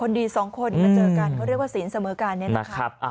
คนดีสองคนเจอกันเขาเรียกว่าศีลเสมอกันนี้นะครับ